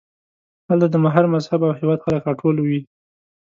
هلته د هر مذهب او هېواد خلک راټول وي.